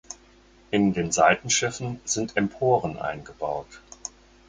In den Seitenschiffen sind Emporen eingebaut.